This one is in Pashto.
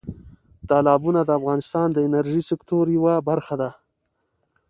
تالابونه د افغانستان د انرژۍ سکتور یوه برخه ده.